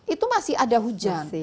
itu masih ada hujan